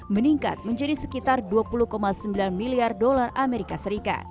meningkat menjadi sekitar dua puluh sembilan miliar dolar as